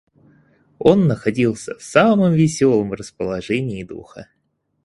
Он находился в самом веселом расположении духа.